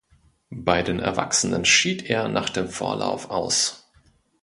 Bei den Erwachsenen schied er nach dem Vorlauf aus.